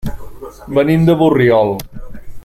Venim de Borriol.